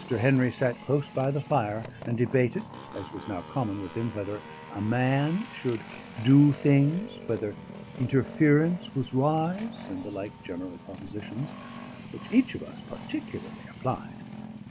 Henry sat close by the fire, and debated (as was now common with him) whether "a man" should "do things," whether "interference was wise," and the like general propositions, which each of us particularly applied.